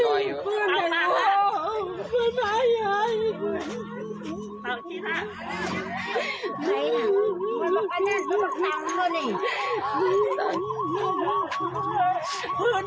พื้นไม่รู้